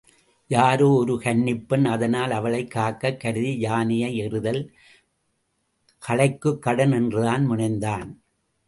யாரோ ஒரு கன்னிப் பெண் அதனால் அவளைக் காக்கக் கருதி யானையை எறிதல் களைக்குக் கடன் என்றுதான் முனைந்தான்.